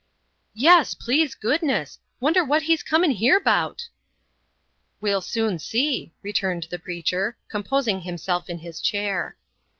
"Yes, please goodness! Wonder what he comin' here 'bout." "We'll soon see," returned the preacher, composing himself in his chair.